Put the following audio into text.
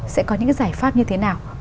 sẽ có những giải pháp như thế nào